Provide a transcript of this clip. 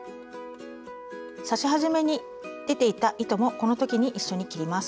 刺し始めに出ていた糸もこの時に一緒に切ります。